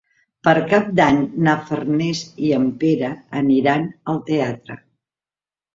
Per Cap d'Any na Farners i en Pere aniran al teatre.